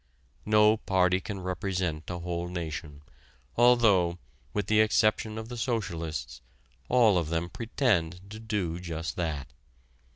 No party can represent a whole nation, although, with the exception of the socialists, all of them pretend to do just that.